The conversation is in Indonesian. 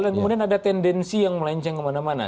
dan kemudian ada tendensi yang melenceng kemana mana